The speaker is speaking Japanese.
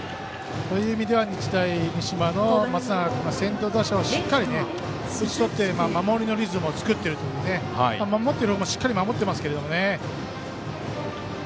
日大三島の松永君は先頭打者をしっかり打ち取って守りのリズムを作っているという守っているほうもしっかり守っていますけど。